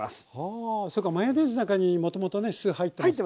あそうかマヨネーズの中にもともとね酢入ってますから。